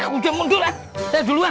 udah mundur eh saya duluan